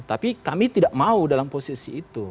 tapi kami tidak mau dalam posisi itu